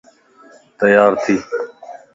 تيار ٿي